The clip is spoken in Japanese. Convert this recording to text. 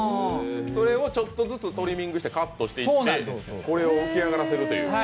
それをちょっとずつトリミングしてカットして浮き上がらせるという。